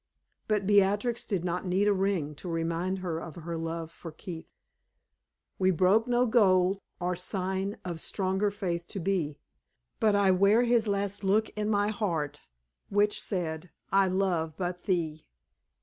But Beatrix did not need a ring to remind her of her love for Keith. "We broke no gold or sign Of stronger faith to be; But I wear his last look in my heart, Which said, 'I love but thee!'"